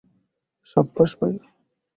সাব্বাশ, ভাইয়েরা।